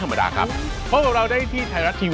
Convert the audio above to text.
มันก็เป็นขนมที่เบาฟู